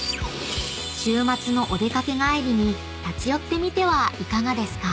［週末のお出掛け帰りに立ち寄ってみてはいかがですか？］